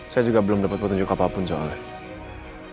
saya juga belum dapat petunjuk apapun soalnya